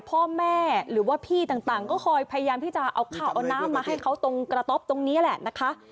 พ่อแม่หรือว่าพี่ต่างก็คอยพยายามที่จะเอาข้าวเอาน้ำมาให้เขาตรงกระต๊อบตรงนี้แหละนะคะ